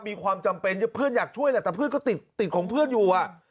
มีความจำเป็นเพื่อนอยากช่วยแหละแต่เพื่อนก็ติดของเพื่อนอยู่อ่ะ